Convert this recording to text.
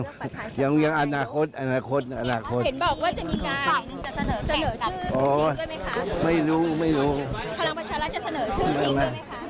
พลังประชารัฐจะเสนอชื่อชิงด้วยไหมคะ